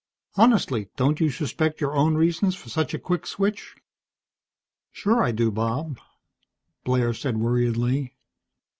Honestly, don't you suspect your own reasons for such a quick switch?" "Sure I do, Bob," Blair said worriedly.